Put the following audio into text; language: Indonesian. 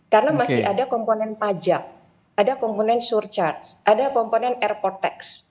karena masih ada komponen pajak ada komponen surcharge ada komponen airport tax